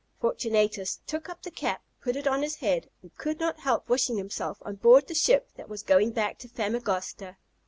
Fortunatus took up the cap, put it on his head, and could not help wishing himself on board the ship that was going back to Famagosta.